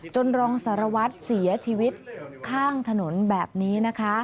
จนรองสารวัฒน์เสียชีวิตข้างถนนแบบนี้